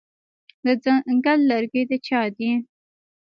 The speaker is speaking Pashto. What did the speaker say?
د ځنګل لرګي د چا دي؟